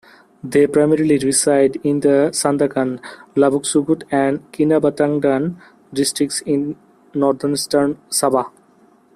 They primarily reside in the Sandakan, Labuk-Sugut, and Kinabatangan districts in northeastern Sabah.